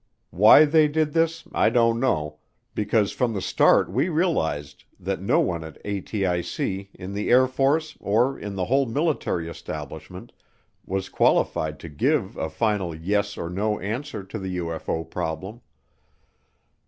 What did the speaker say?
Why they did this I don't know, because from the start we realized that no one at ATIC, in the Air Force, or in the whole military establishment was qualified to give a final yes or no answer to the UFO problem.